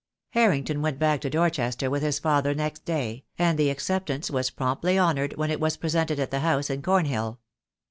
Harrington went back to Dorchester with his father next day, and the acceptance was promptly honoured when it was presented at the house in Cornhill.